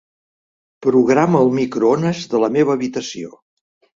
Programa el microones de la meva habitació.